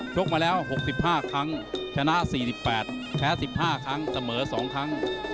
กมาแล้ว๖๕ครั้งชนะ๔๘แพ้๑๕ครั้งเสมอ๒ครั้ง